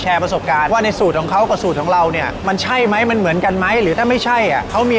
ประสบการณ์ว่าในสูตรของเขากับสูตรของเราเนี่ยมันใช่ไหมมันเหมือนกันไหมหรือถ้าไม่ใช่อ่ะเขามี